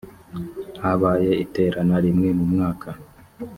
habaye iterana rimwe mu mwaka .